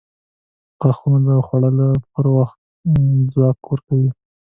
• غاښونه د خوړلو پر وخت ځواک ورکوي.